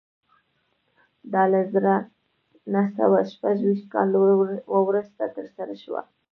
دا له زر نه سوه شپږ ویشت کال وروسته ترسره شوه